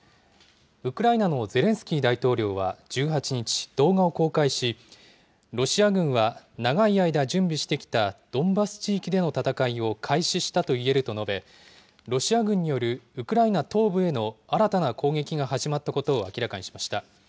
ウクライナのゼレンスキー大統領は１８日、動画を公開し、ロシア軍は長い間、準備してきたドンバス地域での戦いを開始したといえると述べ、ロシア軍によるウクライナ東部への新たな攻撃が始まったことを明らかにしました。